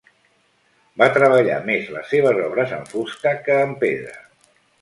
Va treballar més les seves obres en fusta que en pedra.